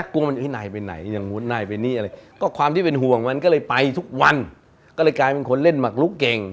กุ้งมันนายไปไหนอย่างนู้นนายไปนี่อะไรก็ความที่เป็นห่วงมันก็เลยไปทุกวันก็เลยกลายเป็นคนเล่นหมักลุกเก่ง